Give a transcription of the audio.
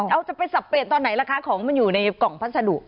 เอาจะไปสับเปลี่ยนตอนไหนล่ะคะของมันอยู่ในกล่องพัสดุ